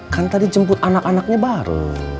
kan tadi jemput anak anaknya baru